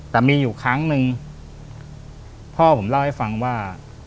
แต่มีอยู่ครั้งหนึ่งพ่อผมเล่าให้ฟังว่า